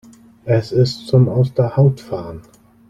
Es ist zum aus der Haut fahren!